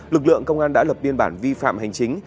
lực lượng công an đã lập biên bản vi phạm hành chính